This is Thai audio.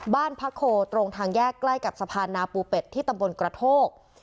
บ้านพักโคตรงทางแยกใกล้กับสะพานนาปูเป็ดที่ตำบลกระโทก